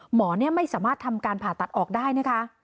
หมอไม่สามารถทำการผ่าตัดออกได้นะคะ